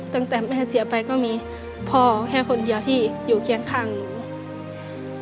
ตั้งแต่แม่เสียไปก็มีพ่อแค่คนเดียวที่อยู่เคียงข้างหนู